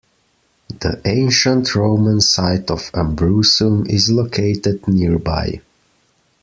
The ancient Roman site of Ambrussum is located nearby.